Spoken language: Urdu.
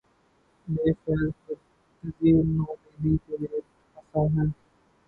بہ فیض بیدلی نومیدیٴ جاوید آساں ہے